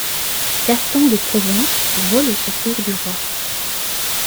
Gaston de Provence vole au secours du roi.